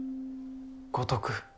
五徳。